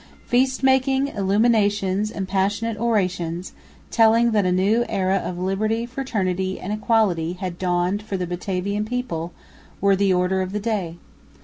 Feast making, illuminations and passionate orations, telling that a new era of "liberty, fraternity and equality" had dawned for the Batavian people, were the order of the day.